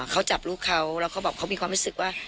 เขาจับลูกเขาแล้วเขาบอกเขามีความรู้สึกว่า